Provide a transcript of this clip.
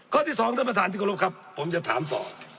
ข้อที่สองท่านประธานทิกรมครับผมจะถามต่อ